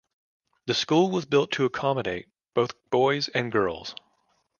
The school was built to accommodate both boys and girls.